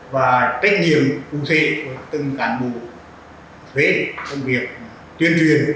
và trách nhiệm phù hợp từng cán bộ thuế công việc tuyên truyền hướng dẫn